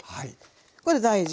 これ大事。